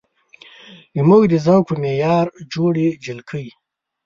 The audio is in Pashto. زموږ د ذوق په معیار جوړې جلکۍ